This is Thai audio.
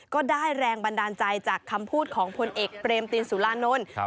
ก็ได้แรงบันดาลใจจากคำพูดของพลเอกเปรมตินสุรานนท์